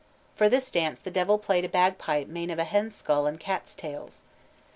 For this dance the Devil played a bag pipe made of a hen's skull and cats' tails.